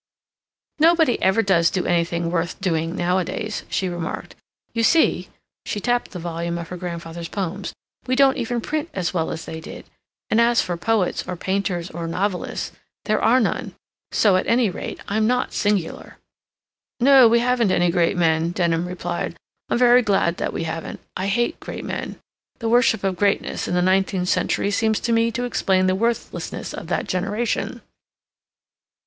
"Nobody ever does do anything worth doing nowadays," she remarked. "You see"—she tapped the volume of her grandfather's poems—"we don't even print as well as they did, and as for poets or painters or novelists—there are none; so, at any rate, I'm not singular." "No, we haven't any great men," Denham replied. "I'm very glad that we haven't. I hate great men. The worship of greatness in the nineteenth century seems to me to explain the worthlessness of that generation."